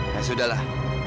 ya sudah lah